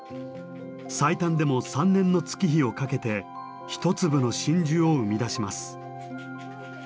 最短でも３年の月日をかけて一粒の真珠を生み出します。